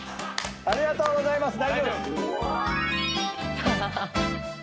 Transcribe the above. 「ありがとうございます」